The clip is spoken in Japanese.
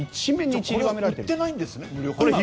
これは売ってないんですね。